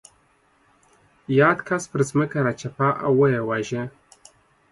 یاد کس پر ځمکه راچپه او ویې واژه.